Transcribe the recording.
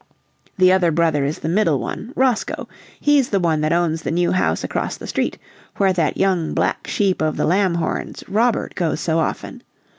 The other brother is the middle one, Roscoe; he's the one that owns the new house across the street, where that young black sheep of the Lamhorns, Robert, goes so often.